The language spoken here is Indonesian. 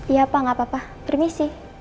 ya pak gak apa apa permisi